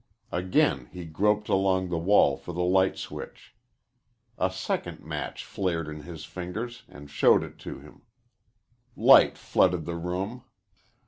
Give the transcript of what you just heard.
Again he groped along the wall for the light switch. A second match flared in his fingers and showed it to him. Light flooded the room.